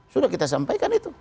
sudah kita sampaikan itu